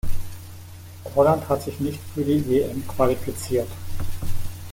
Holland hat sich nicht für die WM qualifiziert.